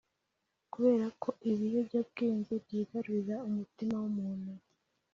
kubera ko ibiyobyabwenge byigarurira umutima w’umuntu